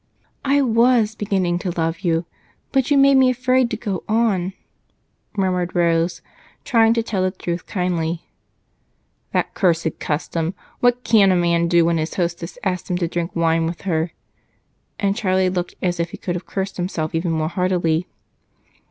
"I was beginning to love you, but you made me afraid to go on," murmured Rose, trying to tell the truth kindly. "That cursed custom! What can a man do when his hostess asks him to drink wine with her?" And Charlie looked as if he could have cursed himself even more heartily.